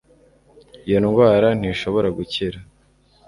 iyo ndwara ntishobora gukira